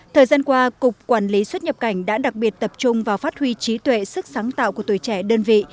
thời gian qua cục quản lý xuất nhập cảnh đã đặc biệt tập trung vào phát huy trí tuệ sức sáng tạo của tuổi trẻ đơn vị